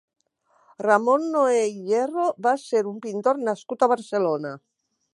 Ramon Noè i Hierro va ser un pintor nascut a Barcelona.